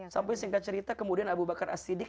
sampai singkat cerita kemudian abu bakar as siddiq